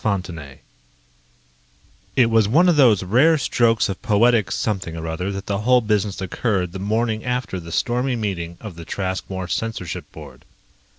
_ It was one of those rare strokes of poetic something or other that the whole business occurred the morning after the stormy meeting of the Traskmore censorship board.